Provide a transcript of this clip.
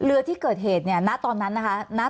เรือที่เกิดเหตุเนี่ยณตอนนั้นนะคะ